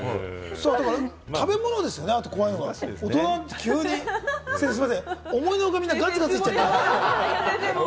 食べ物ですよね、あと怖いのは、大人になって急に、先生すみません、思いのほか、みんなつい言っちゃって。